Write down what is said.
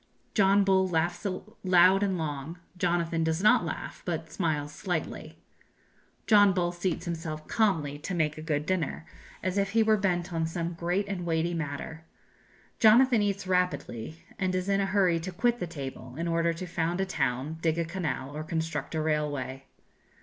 John Bull laughs loud and long; Jonathan does not laugh, but smiles slightly. John Bull seats himself calmly to make a good dinner, as if he were bent on some great and weighty matter; Jonathan eats rapidly, and is in a hurry to quit the table in order to found a town, dig a canal, or construct a railway.